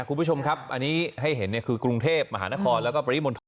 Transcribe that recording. คุณผู้ชมครับอันนี้ให้เห็นคือกรุงเทพมหานครแล้วก็ปริมณฑล